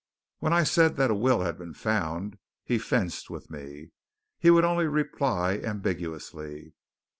When I said that a will had been found he fenced with me. He would only reply ambiguously.